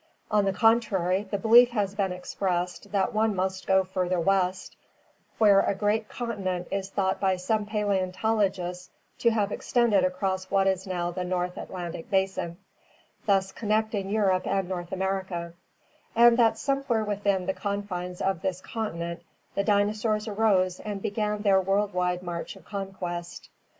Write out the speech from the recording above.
On the contrary the belief has been expressed that one must go farther west, where a great continent is thought by some paleontologists to have extended across what is now the North Atlantic basin, thus connecting Europe and North America, and that somewhere within the confines of this continent the dinosaurs arose and began their world wide march of conquest.